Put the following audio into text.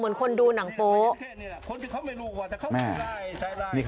หัวเตียงค่ะหัวเตียงค่ะ